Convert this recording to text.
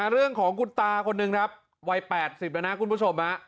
เรื่องของคุณตาคนหนึ่งครับวัย๘๐แล้วนะคุณผู้ชม